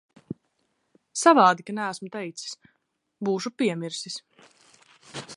Savādi, ka neesmu teicis. Būšu piemirsis.